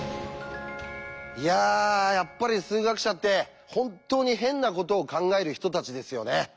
いややっぱり数学者って本当に変なことを考える人たちですよね。